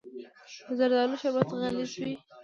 د زردالو شربت غلیظ وي.